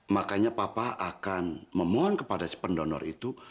makanya papa akan memohon kepada si pendonor itu